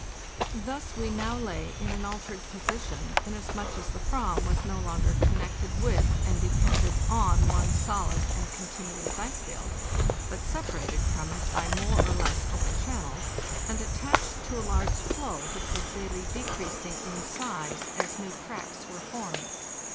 Thus we now lay in an altered position, inasmuch as the Fram was no longer connected with and dependent on one solid and continuous ice field, but separated from it by more or less open channels and attached to a large floe which was daily decreasing in size as new cracks were formed.